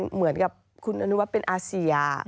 เหมือนกับคุณอนุวัติเป็นอาเซีย